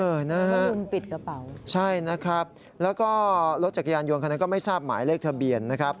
นะฮะคุณปิดกระเป๋าใช่นะครับแล้วก็รถจักรยานยนต์คนนั้นก็ไม่ทราบหมายเลขทะเบียนนะครับ